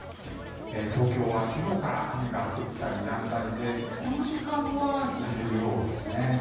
東京は昨日から雨が降ったりやんだりでこの時間はやんでいるようですね。